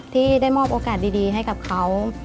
ที่ได้มอบโอกาสดีให้กับเขา